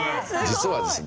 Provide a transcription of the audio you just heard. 実はですね